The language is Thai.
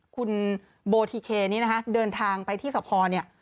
คุณโบทิเคนี่นะคะเดินทางไปที่สะพอเนี่ย